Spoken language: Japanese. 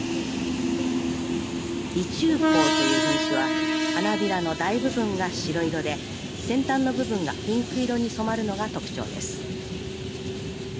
美中紅という品種は花びらの大部分が白色で先端の部分がピンク色に染まるのが特徴です。